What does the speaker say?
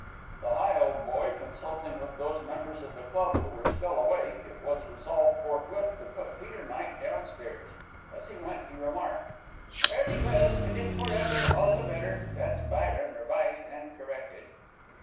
The Higholdboy consulting with those members of the club who were still awake, it was resolved forthwith to put Peter Knight down stairs. As he went he remarked: "Fare thee well, and if for ever, all the better. That's Byron, revised and corrected."